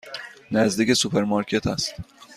نزدیک سوپرمارکت است.